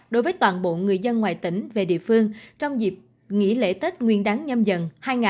đối với toàn bộ người dân ngoài tỉnh về địa phương trong dịp nghỉ lễ tết nguyên đáng nhâm dần hai nghìn hai mươi bốn